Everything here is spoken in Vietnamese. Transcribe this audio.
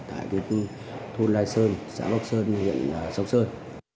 tại thôn lai sơn xã lộc sơn huyện sóc sơn